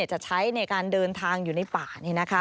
จะใช้ในการเดินทางอยู่ในป่า